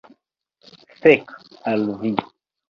Fek' al vi